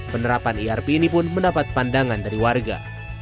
penerapan irp ini pun mendapat pandangan dari warga